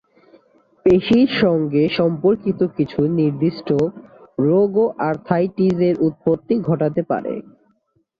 পেশীর সঙ্গে সম্পর্কিত কিছু নির্দিষ্ট রোগও আর্থ্রাইটিস-এর উৎপত্তি ঘটাতে পারে।